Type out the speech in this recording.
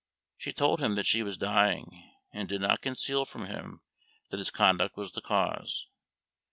She told him that she was dying, and did not conceal from him that his conduct was the cause.